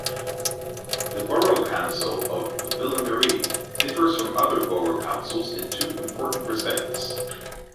The borough council of Ville-Marie differs from other borough councils in two important respects.